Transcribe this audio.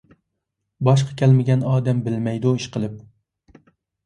باشقا كەلمىگەن ئادەم بىلمەيدۇ، ئىشقىلىپ.